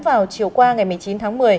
vào chiều qua ngày một mươi chín tháng một mươi